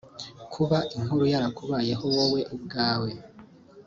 Kuba inkuru yarakubayeho wowe ubwawe